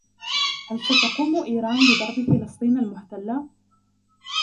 هل ستقوم ايران بضرب "فلسطين المحتله"